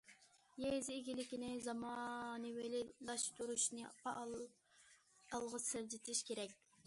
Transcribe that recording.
يېزا ئىگىلىكىنى زامانىۋىلاشتۇرۇشنى پائال ئالغا سىلجىتىش كېرەك.